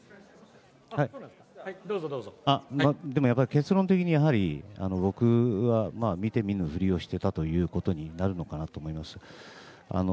結論的に僕は見て見ぬ振りをしていたということになるのかなと思います。